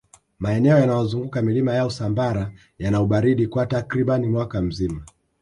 maeneo yanayozunguka milima ya usambara yana ubaridi kwa takribani mwaka mzima